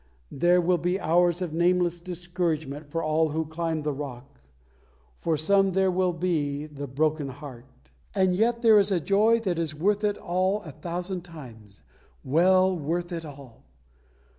There will be hours of nameless discouragement for all who climb the rock. For some there will be the "broken heart." And yet there is a joy that is worth it all a thousand times well worth it all.